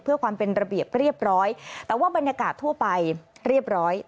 เพื่อความเป็นระเบียบเรียบร้อยแต่ว่าบรรยากาศทั่วไปเรียบร้อย